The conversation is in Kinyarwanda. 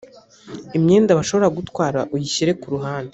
imyenda bashobora gutwara uyishyire kuruhande